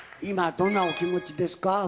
今どんなお気持ちですか？